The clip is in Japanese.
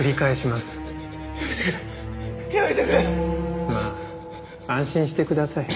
まあ安心してください。